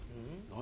何？